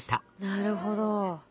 なるほど。